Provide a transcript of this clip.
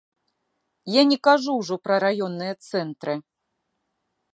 Я не кажу ўжо пра раённыя цэнтры.